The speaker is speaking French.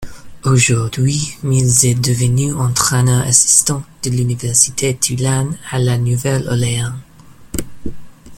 Aujourd'hui, Mills est devenu entraîneur assistant de l'Université Tulane à La Nouvelle-Orléans.